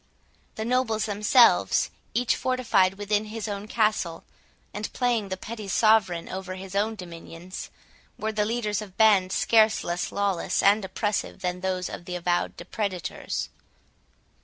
The nobles themselves, each fortified within his own castle, and playing the petty sovereign over his own dominions, were the leaders of bands scarce less lawless and oppressive than those of the avowed depredators.